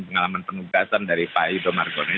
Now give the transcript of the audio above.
pengalaman pengugasan dari pak yudho margono ini